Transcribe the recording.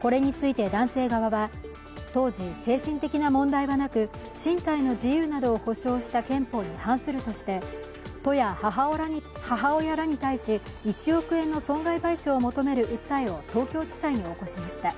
これについて男性側は当時、精神的な問題はなく身体の自由などを保障した憲法に反するとして都や母親らに対し、１億円の損害賠償を求める訴えを東京地裁に起こしました。